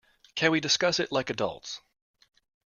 Can we discuss it like adults?